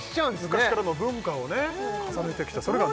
昔からの文化を重ねてきたそれがネオ？